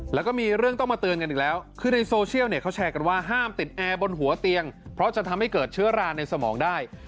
แล้วก็มีเรื่องต้องมาเตือนกันอีกแล้วคือในโซเชียลเนี่ยเขาแชร์กันว่าห้ามติดแอร์บนหัวเตียงเพราะจะทำให้เกิดเชื้อราในสมองได้